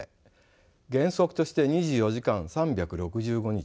原則として２４時間３６５日